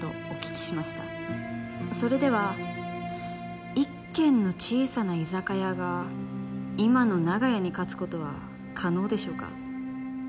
それでは一軒の小さな居酒屋が今の長屋に勝つ事は可能でしょうか？